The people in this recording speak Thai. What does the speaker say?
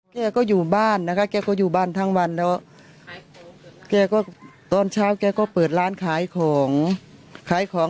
แกก็อยู่บ้านนะคะแกก็อยู่บ้านทั้งวันแล้วแกก็ตอนเช้าแกก็เปิดร้านขายของขายของ